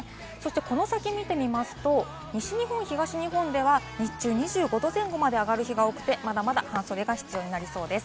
この先見てみますと、西日本、東日本では日中は２５度前後まで上がる日が多くてまだまだ半袖が必要になりそうです。